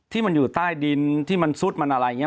ที่มันอยู่ใต้ดินที่มันซุดมันอะไรอย่างนี้